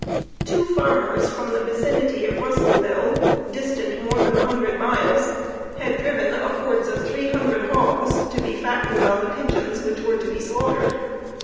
Two farmers from the vicinity of Russelsville, distant more than a hundred miles, had driven upwards of three hundred hogs to be fattened on the pigeons which were to be slaughtered.